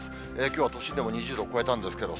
きょうは都心でも２０度を超えたんですけど。